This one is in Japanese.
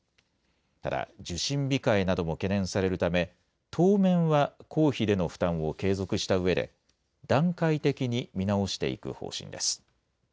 ただ、受診控えなども懸念されるため、当面は、公費での負担を継続したうえで、段階的に見直していく方針です。